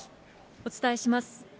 お伝えします。